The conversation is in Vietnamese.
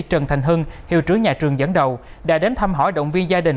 trần thành hưng hiệu trưởng nhà trường dẫn đầu đã đến thăm hỏi động viên gia đình